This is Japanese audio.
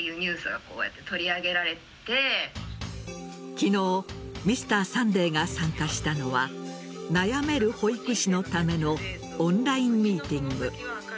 昨日「Ｍｒ．サンデー」が参加したのは悩める保育士のためのオンラインミーティング。